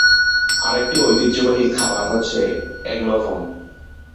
আরেকটি ঐতিহ্যবাহী খাবার হচ্ছে এংলোফোন।